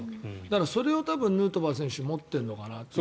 それはヌートバー選手は持っているのかなと。